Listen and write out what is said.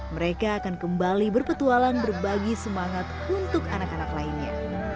mereka akan kembali berpetualang berbagi semangat untuk anak anak lainnya